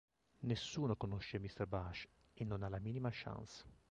Nessuno conosce Mr. Bush, e non ha la minima chance.